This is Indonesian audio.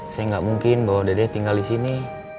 saya nggak mungkin bahwa dede tinggal di sini